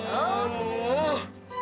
もう！